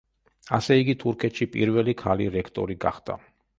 ასე, იგი თურქეთში პირველი ქალი რექტორი გახდა.